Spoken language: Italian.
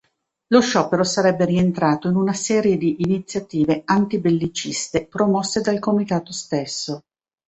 Lo sciopero sarebbe rientrato in una serie di iniziative anti-belliciste promosse dal comitato stesso.